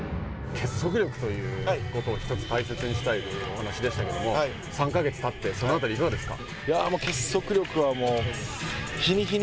結束力ということを１つ大切にしたいというお話でしたけれども３か月たってその辺り、いかがですか。